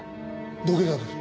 土下座です。